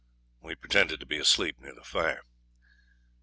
We pretended to be asleep near the fire.